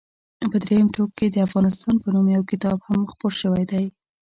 په درېیم ټوک کې د افغانستان په نوم یو کتاب هم خپور شوی دی.